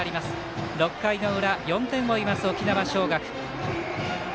６回の裏、４点を追います沖縄尚学。